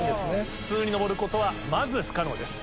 普通に登ることはまず不可能です。